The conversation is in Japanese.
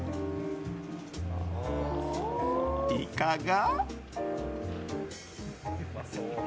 いかが？